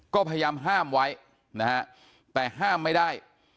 ก็พยายามห้ามไว้นะฮะแต่ห้ามไม่ได้